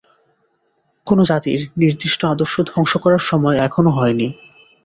কোন জাতির নির্দিষ্ট আদর্শ ধ্বংস করার সময় এখনও হয়নি।